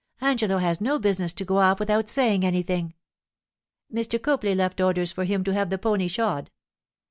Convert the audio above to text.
Angelo has no business to go off without saying anything.' 'Mr. Copley left orders for him to have the pony shod.